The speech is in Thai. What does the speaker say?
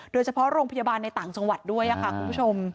โดยเฉพาะโรงพยาบาลในต่างจังหวัดด้วยค่ะคุณผู้ชม